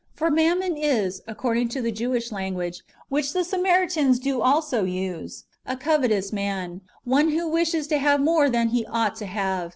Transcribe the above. For mammon is, according to the Jewish language, which the Samaritans do also use, a covetous man, and one who wishes to have more than he ought to have.